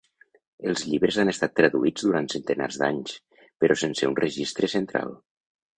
Els llibres han estat traduïts durant centenars d'anys, però sense un registre central.